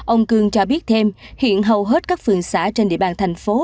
ông cương cho biết thêm hiện hầu hết các phường xã trên địa bàn thành phố